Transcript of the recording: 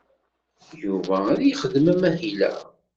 Yuba ad yexdem amahil-a.